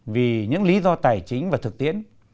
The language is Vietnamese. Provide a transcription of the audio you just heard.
vì những lý do tài chính và thực tiễn